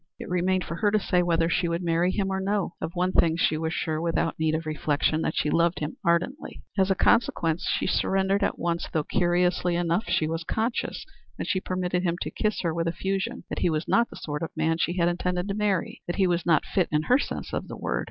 It remained for her to say whether she would marry him or no. Of one thing she was sure without need of reflection, that she loved him ardently. As a consequence she surrendered at once, though, curiously enough, she was conscious when she permitted him to kiss her with effusion that he was not the sort of man she had intended to marry that he was not fit in her sense of the word.